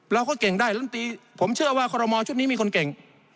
เราก็เก่งได้ผมเชื่อว่ากรมชุดนี้มีคนเก่ง